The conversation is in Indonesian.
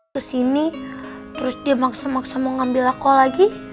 kesini terus dia maksa maksa mau ngambil lako lagi